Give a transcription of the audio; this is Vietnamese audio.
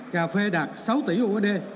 cà phê đạt sáu tỷ usd